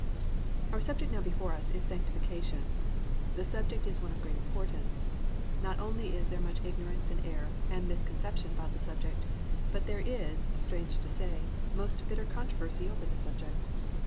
Our subject now before us is Sanctification. The subject is one of great importance. Not only is there much ignorance and error and misconception about the subject, but there is, strange to say, most bitter controversy over the subject.